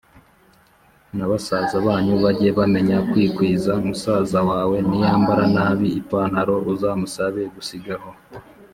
na basaza banyu bage bamenya kwikwiza musaza wawe niyambara nabi ipantaro, uzamusabe gusigaho!